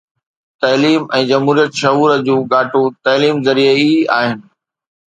تعليم ۽ جمهوريت شعور جون ڳاٽون تعليم ذريعي ئي آهن